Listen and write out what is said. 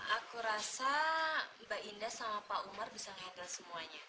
aku rasa mbak indah sama pak umar bisa handle semuanya